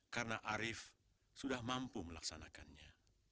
karena arif sudah mampu melaksanakannya